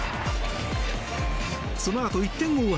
そのあと１点を追う